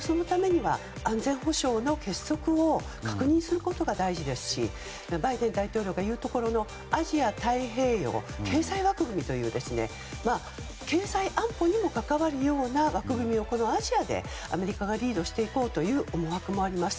安全保障の結束を確認することが大事ですしバイデン大統領が言うところのアジア太平洋経済枠組みという経済安保に関わるような枠組みをこのアジアでアメリカがリードしていこうという思惑もあります。